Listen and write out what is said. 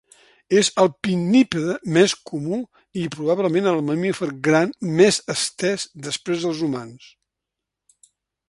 És el pinnípede més comú i probablement el mamífer gran més estès després dels humans.